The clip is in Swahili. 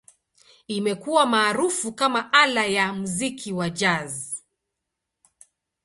Imekuwa maarufu kama ala ya muziki wa Jazz.